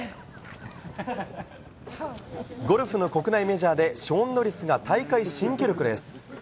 ゴルフの国内メジャーでショーン・ノリスが大会新記録です。